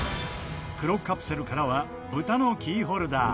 黒カプセルからは豚のキーホルダー。